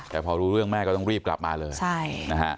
แต่พอรู้เรื่องแม่ก็ต้องรีบกลับมาเลยใช่นะฮะ